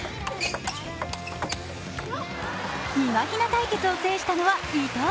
みまひな対決を制したのは伊藤。